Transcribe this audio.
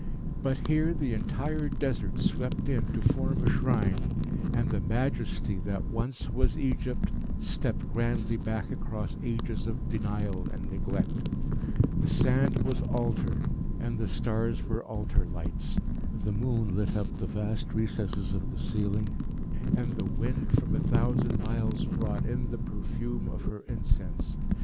But here the entire Desert swept in to form a shrine, and the Majesty that once was Egypt stepped grandly back across ages of denial and neglect. The sand was altar, and the stars were altar lights. The moon lit up the vast recesses of the ceiling, and the wind from a thousand miles brought in the perfume of her incense.